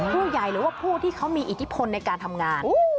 ผู้ใหญ่หรือว่าผู้ที่เขามีอิทธิพลในการทำงาน